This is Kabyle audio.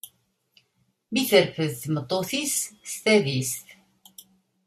Mi terfed tmeṭṭut-is s tadist.